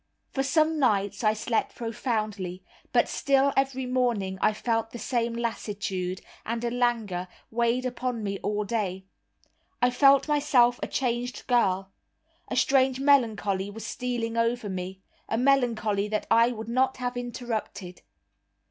For some nights I slept profoundly; but still every morning I felt the same lassitude, and a languor weighed upon me all day. I felt myself a changed girl. A strange melancholy was stealing over me, a melancholy that I would not have interrupted.